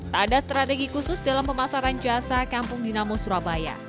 tak ada strategi khusus dalam pemasaran jasa kampung dinamo surabaya